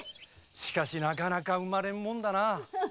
しかしなかなか産まれぬものだな。